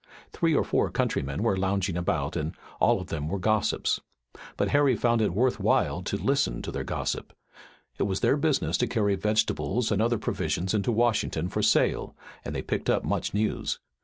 Three or four countrymen were lounging about and all of them were gossips. But Harry found it worth while to listen to their gossip. It was their business to carry vegetables and other provisions into Washington for sale and they picked up much news.